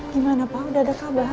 gimana pak udah ada kabar